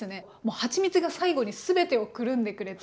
はちみつが最後に全てをくるんでくれて。